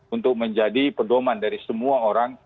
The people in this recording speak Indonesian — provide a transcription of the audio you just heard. untuk menjadi pedoman dari semua orang